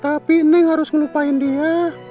tapi neng harus ngelupain dia